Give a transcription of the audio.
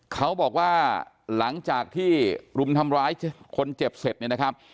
เขาบอกว่าหลังจากที่รุมทำร้ายคนเจ็บเสร็จเนี่ยนะครับ